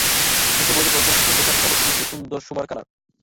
এসে বলত তোর জন্য খুব সুন্দর শার্টের কাপড় কিনেছি, সুন্দর সোবার কালার।